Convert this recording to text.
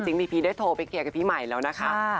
จริงพีพีได้โทรไปเจอกับพี่ใหม่แล้วนะครับ